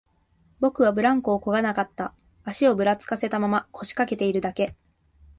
僕らはブランコをこがなかった、足をぶらつかせたまま、腰掛けているだけ